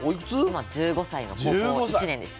今１５歳の高校１年です。